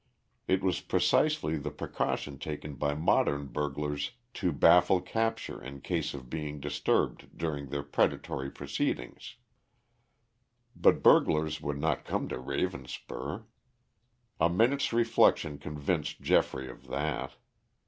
It was precisely the precaution taken by modern burglars to baffle capture in case of being disturbed during their predatory proceedings. But burglars would not come to Ravenspur. A minute's reflection convinced Geoffrey of that.